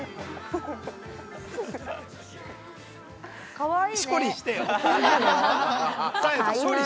かわいい！